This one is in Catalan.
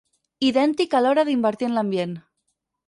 Idèntic a l'hora d'invertir en l'ambient.